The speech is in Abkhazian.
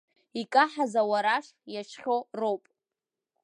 Икаҳаз ауараш иашьхьоу роуп.